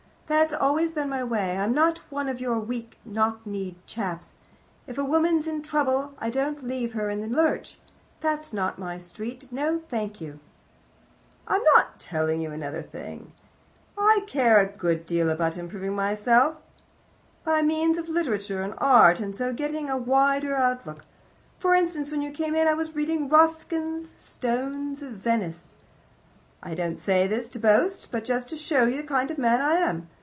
That's always been my way. I'm not one of your weak knock kneed chaps. If a woman's in trouble, I don't leave her in the lurch. That's not my street. No, thank you. "I'll tell you another thing too. I care a good deal about improving myself by means of Literature and Art, and so getting a wider outlook. For instance, when you came in I was reading Ruskin's STONES OF VENICE. I don't say this to boast, but just to show you the kind of man I am.